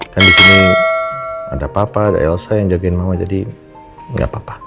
kan disini ada papa ada elsa yang jagain mama jadi gak papa